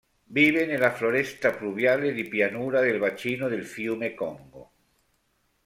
Vive nella foresta pluviale di pianura del bacino del Fiume Congo.